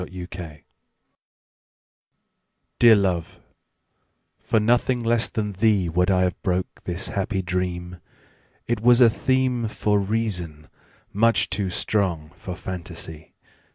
The Dream DEAR love, for nothing less than theeWould I have broke this happy dream; It was a themeFor reason, much too strong for fantasy.